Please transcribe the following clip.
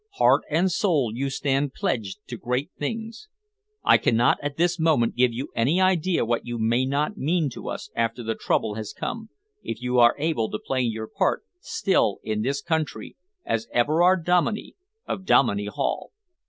Heart and soul you stand pledged to great things. I cannot at this moment give you any idea what you may not mean to us after the trouble has come, if you are able to play your part still in this country as Everard Dominey of Dominey Hall.